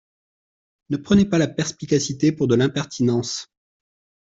Ne prenez pas la perspicacité pour de l’impertinence.